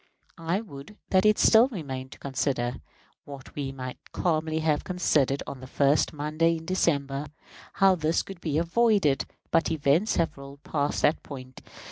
I would that it still remained to consider what we might calmly have considered on the first Monday in December how this could be avoided; but events have rolled past that point.